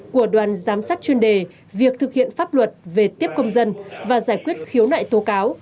của đoàn giám sát chuyên đề việc thực hiện pháp luật về tiếp công dân và giải quyết khiếu nại tố cáo